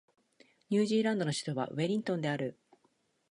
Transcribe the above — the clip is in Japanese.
ニュージーランドの首都はウェリントンである